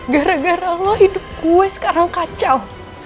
gara gara lo hidup gue sekarang kacau